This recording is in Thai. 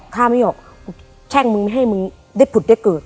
ข้าไม่หยอกแช่งมึงไม่ให้มึงเด็ดผุดเด็ดเกิด